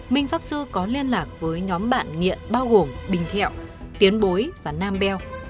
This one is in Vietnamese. minh pháp sư có liên lạc với nhóm bạn nghiện bao gồm bình thẹo tiến bối và nam beo